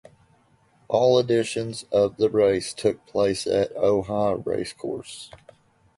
All editions of the race took place at Ohi Racecourse.